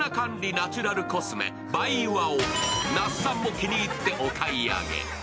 ナチュラルコスメ・ＢｙＵＲを那須さんも気に入ってお買い上げ。